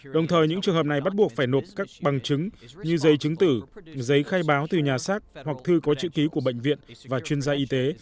đồng thời những trường hợp này bắt buộc phải nộp các bằng chứng như giấy chứng tử giấy khai báo từ nhà xác hoặc thư có chữ ký của bệnh viện và chuyên gia y tế